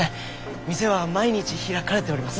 店は毎日開かれております。